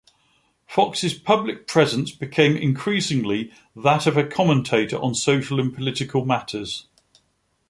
Fox's public presence became increasingly that of a commentator on social and political matters.